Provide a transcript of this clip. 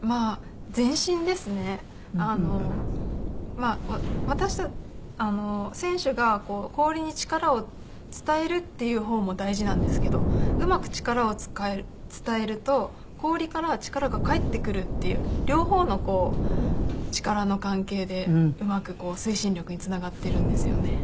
まあ私たち選手が氷に力を伝えるっていう方も大事なんですけどうまく力を伝えると氷から力が返ってくるっていう両方の力の関係でうまく推進力につながっているんですよね。